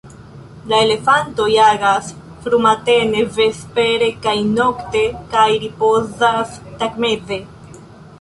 La elefantoj agas frumatene, vespere kaj nokte kaj ripozas tagmeze.